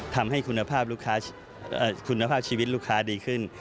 ทำให้คุณภาพชีวิตลูกค้าดีขึ้น